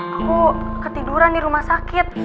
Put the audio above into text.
aku ketiduran di rumah sakit